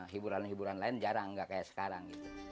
hiburan hiburan lain jarang gak kayak sekarang